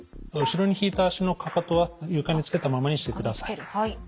後ろに引いた足のかかとは床につけたままにしてください。